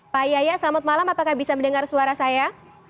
pak yaya selamat malam apakah bisa mendengar suara saya